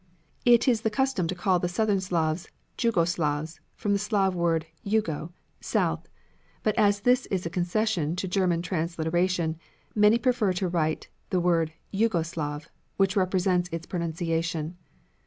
It is the custom to call the Southern Slavs "Jugoslavs" from the Slav word Yugo, "south," but as this is a concession to German transliteration, many prefer to write the word "Yugoslav," which represents its pronunciation.